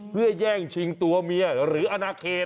เพื่อแย่งชิงตัวเมียหรืออนาเขต